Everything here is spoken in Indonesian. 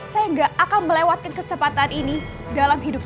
saya gak akan melewatkan kesempatan ini dalam hidup